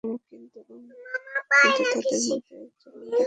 হ্যাঁ, কিন্তু তাদের মধ্যে একজন আমাদেরকে সাহায্য করার চেষ্টা করছে।